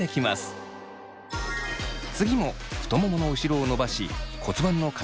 次も太ももの後ろを伸ばし骨盤の傾きを治すトレーニングです。